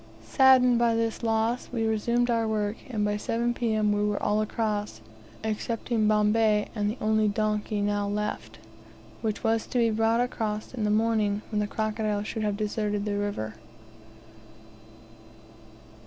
Saddened a little by this loss, we resumed our work, and by 7 P.M. we were all across, excepting Bombay and the only donkey now left, which was to be brought across in the morning, when the crocodiles should have deserted the river.